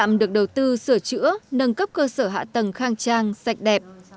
trạm được đầu tư sửa chữa nâng cấp cơ sở hạ tầng khang trang sạch đẹp